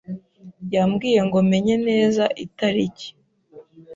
Yambwiye ngo menye neza itariki.